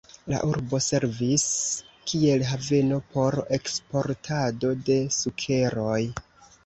La urbo servis kiel haveno por eksportado de sukeroj.